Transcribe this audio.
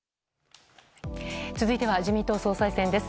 続いては自民党総裁選です。